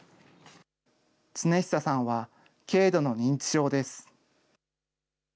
亘久さんは軽度の認知症です。